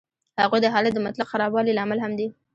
هغوی د حالت د مطلق خرابوالي لامل هم دي